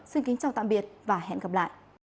xin kính chào tạm biệt và hẹn gặp lại